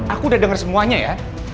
aku udah dengar semuanya ya